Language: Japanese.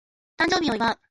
誕生日を祝う